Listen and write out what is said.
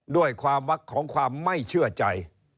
ด้วยความวักของความไม่เชื่อใจ